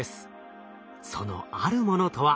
その「あるもの」とは？